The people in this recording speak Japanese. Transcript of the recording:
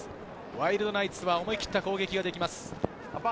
ワイルドナイツは思い切った攻撃ができます。